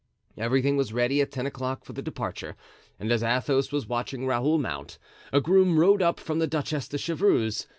Everything was ready at ten o'clock for the departure, and as Athos was watching Raoul mount, a groom rode up from the Duchess de Chevreuse.